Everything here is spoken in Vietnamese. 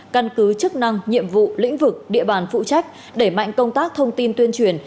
căn cứ chức năng nhiệm vụ lĩnh vực địa bàn phụ trách đẩy mạnh công tác thông tin tuyên truyền